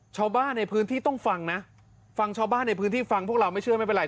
ชาวบ้านในพื้นที่ต้องฟังนะฟังชาวบ้านในพื้นที่ฟังพวกเราไม่เชื่อไม่เป็นไร